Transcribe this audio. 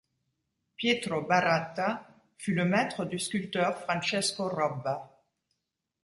Pietro Baratta fut le maître du sculpteur Francesco Robba.